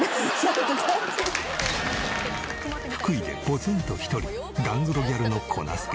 福井でポツンと１人ガングロギャルの粉すけ。